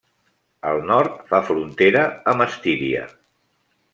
Al nord fa frontera amb Estíria.